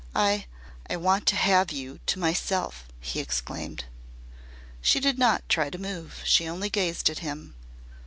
"I I want to have you to myself," he exclaimed. She did not try to move. She only gazed at him.